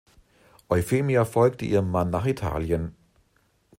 Euphemia folgte ihrem Mann nach Italien.